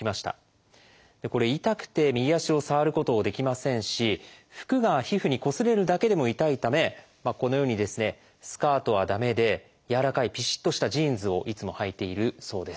痛くて右足を触ることできませんし服が皮膚にこすれるだけでも痛いためこのようにスカートは駄目で柔らかいピシッとしたジーンズをいつもはいているそうです。